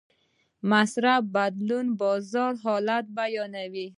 د مصرف بدلون د بازار حالت بدلوي.